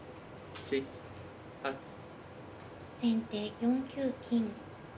先手４九金。